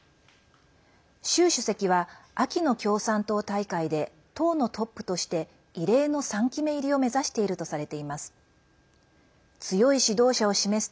習主席は秋の共産党大会で党のトップとして異例の３期目入りを目指しているとされています。